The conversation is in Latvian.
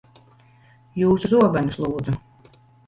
Jūsu zobenus, lūdzu.